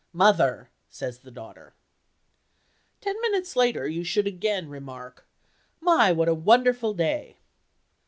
"Mother!" says the daughter. Ten minutes later you should again remark, "My, what a wonderful day!"